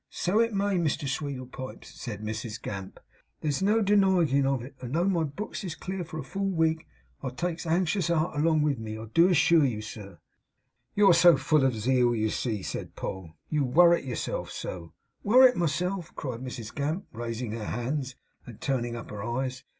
So it may, Mr Sweedlepipes,' said Mrs Gamp, 'there's no deniging of it; and though my books is clear for a full week, I takes a anxious art along with me, I do assure you, sir.' 'You're so full of zeal, you see!' said Poll. 'You worrit yourself so.' 'Worrit myself!' cried Mrs Gamp, raising her hands and turning up her eyes.